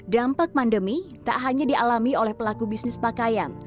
dampak pandemi tak hanya dialami oleh pelaku bisnis pakaian